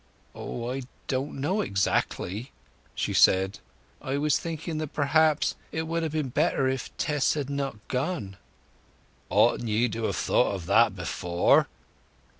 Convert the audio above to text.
"Oh, I don't know exactly," she said. "I was thinking that perhaps it would ha' been better if Tess had not gone." "Oughtn't ye to have thought of that before?"